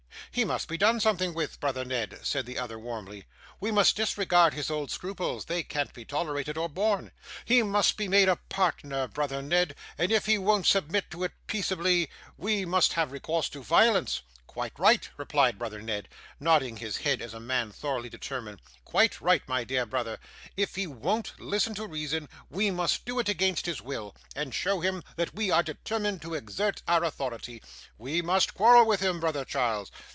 'He must be done something with, brother Ned,' said the other, warmly; 'we must disregard his old scruples; they can't be tolerated, or borne. He must be made a partner, brother Ned; and if he won't submit to it peaceably, we must have recourse to violence.' 'Quite right,' replied brother Ned, nodding his head as a man thoroughly determined; 'quite right, my dear brother. If he won't listen to reason, we must do it against his will, and show him that we are determined to exert our authority. We must quarrel with him, brother Charles.